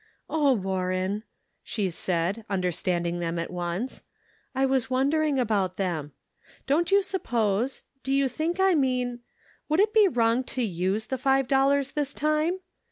" Oh, Warren," she said, understanding them at once, " I was wondering about them. Don't you suppose — do you think I mean — would it be wrong to use the five dollars this time